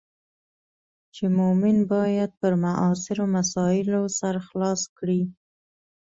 چې مومن باید پر معاصرو مسایلو سر خلاص کړي.